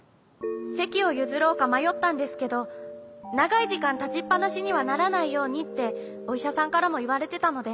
せきをゆずろうかまよったんですけどながいじかんたちっぱなしにはならないようにっておいしゃさんからもいわれてたので。